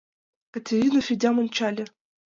— Катерина Федям ончале: